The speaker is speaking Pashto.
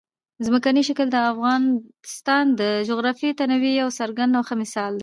ځمکنی شکل د افغانستان د جغرافیوي تنوع یو څرګند او ښه مثال دی.